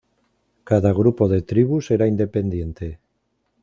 Cada grupo de tribus era independiente.